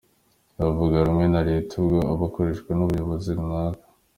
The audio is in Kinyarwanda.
Uvuga rumwe na Leta ubwo aba akoreshwa n’umuyobozi runaka ?